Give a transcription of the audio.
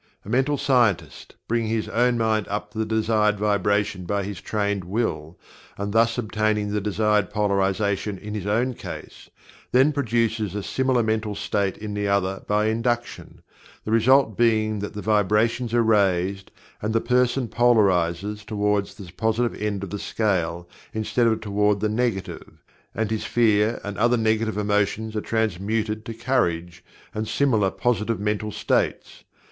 A mental scientist bringing his own mind up to the desired vibration by his trained will, and thus obtaining the desired polarization in his own case, then produces a similar mental state in the other by induction, the result being that the vibrations are raised and the person polarizes toward the Positive end of the scale instead toward the Negative, and his Fear and other negative emotions are transmuted to Courage and similar positive mental states.